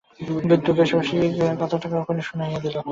বিন্দুকে শশী কথাটা তখনি শুনাইয়া দিল।